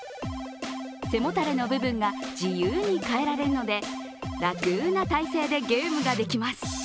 背もたれの部分が自由に変えられるので楽な体勢でゲームができます。